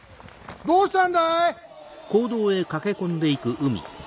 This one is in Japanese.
どうしたんだい？